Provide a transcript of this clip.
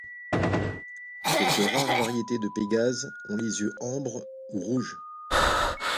Quelques rares variétés de pégases ont les yeux ambre ou rouges.